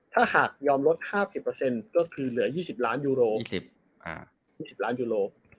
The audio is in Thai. ถ้าหากยอมลด๕๐ก็คือเหลือ๒๐ล้านยูโร